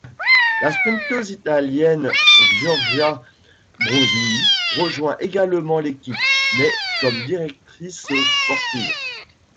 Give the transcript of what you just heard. La sprinteuse italienne Giorgia Bronzini rejoint également l'équipe, mais comme directrice sportive.